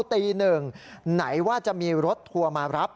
ตีหนึ่งไหนว่าจะมีรถทัวร์มารับ